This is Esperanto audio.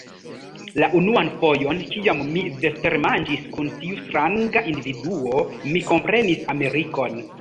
La unuan fojon, kiam mi vespermanĝis kun tiu stranga individuo, mi komprenis Amerikon.